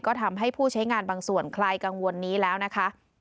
ก็ทำให้ผู้ใช้งานบางส่วนใครกังวลนี้แล้วนะคะ